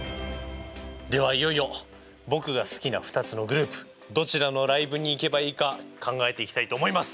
ではいよいよ僕が好きな２つのグループどちらのライブに行けばいいか考えていきたいと思います。